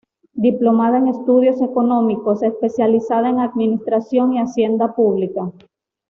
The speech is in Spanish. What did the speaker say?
Diplomada en estudios económicos, especializada en administración y hacienda pública.